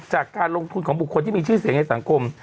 จากการลงทุนของบุคคลที่มีชื่อเสียงในสังคม